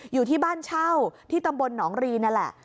อยู่ที่บ้านเช่าที่ตำบลหนองรีนั่นแหละ